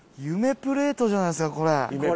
プレートじゃないですかこれ。